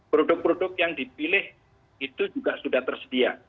produk produk yang dipilih itu juga sudah tersedia